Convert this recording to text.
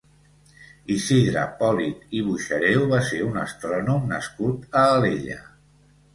Isidre Pòlit i Boixareu va ser un astrònom nascut a Alella.